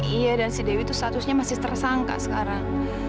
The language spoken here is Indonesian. iya dan si dewi itu statusnya masih tersangka sekarang